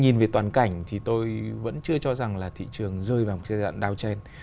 nhìn về toàn cảnh thì tôi vẫn chưa cho rằng là thị trường rơi vào một giai đoạn downchen